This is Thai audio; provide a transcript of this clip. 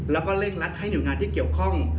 แล้วก็เร่งรัดให้หน่วยงานที่เกี่ยวข้อง